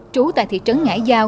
trú tại thị trấn ngãi giao